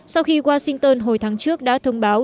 sau khi washington hồi tháng trước đã thông báo